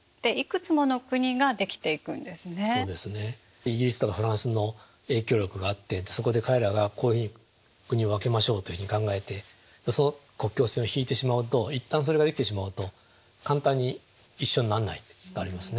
イギリスとかフランスの影響力があってそこで彼らがこういうふうに国を分けましょうというふうに考えてその国境線を引いてしまうと一旦それが出来てしまうと簡単に一緒になんないってありますね。